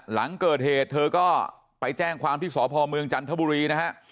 หลังเกิดเหตุเธอก็ไปแจ้งความที่สพเมืองจันทบุรีนะฮะ